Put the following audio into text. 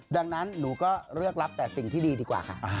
ดังนั้นหนูก็เลือกรับแต่สิ่งที่ดีดีกว่าค่ะ